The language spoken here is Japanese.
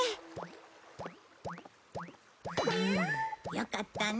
よかったね。